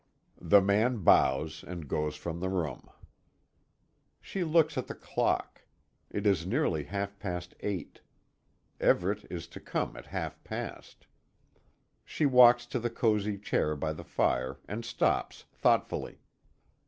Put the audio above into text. The man bows and goes from the room. She looks at the clock. It is nearly half past eight. Everet is to come at half past. She walks to the cosy chair by the fire, and stops thoughtfully.